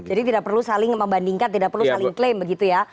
jadi tidak perlu saling membandingkan tidak perlu saling klaim begitu ya